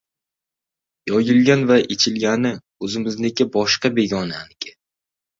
• Yeyilgan va ichilgani ― o‘zimizniki, boshqasi ― begonaniki.